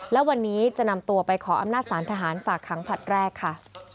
และวันนี้จะนำตัวไปขออำนาจสารทหารฝากขังผลัดแรกค่ะ